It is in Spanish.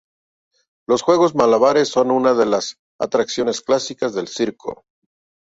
Los juegos malabares son unas de las atracciones clásicas del circo.